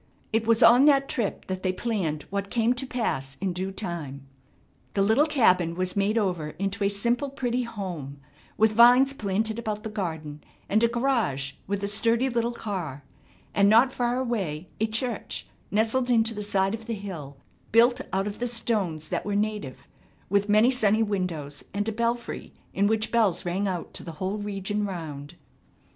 It was on that trip that they planned what came to pass in due time. The little cabin was made over into a simple, pretty home, with vines planted about the garden, and a garage with a sturdy little car; and not far away a church nestled into the side of the hill, built out of the stones that were native, with many sunny windows and a belfry in which bells rang out to the whole region round.